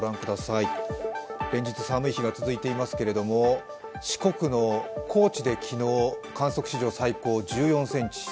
連日、寒い日が続いていますけれども、四国の高知で昨日、観測史上最高１４ｃｍ。